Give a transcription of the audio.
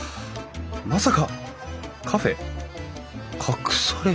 まさかカフェ隠されてる？